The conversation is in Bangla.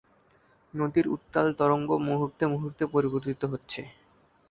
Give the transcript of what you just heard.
নদীর উত্তাল তরঙ্গ মুহূর্তে-মুহূর্তে পরিবর্তিত হচ্ছে।